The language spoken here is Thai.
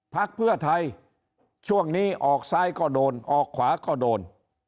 พักเพื่อไทยช่วงนี้ออกซ้ายก็โดนออกขวาก็โดน